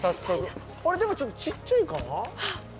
あれ、でも、ちょっとちっちゃいかな？